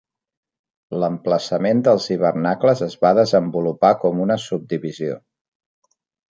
L'emplaçament dels hivernacles es va desenvolupar com una subdivisió.